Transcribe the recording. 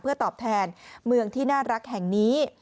เพื่อตอบแทนเมืองที่น่ารักแห่งนี้